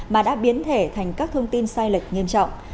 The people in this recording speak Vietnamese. mà đã biến thể thành các thông tin sai lệch nghiêm trọng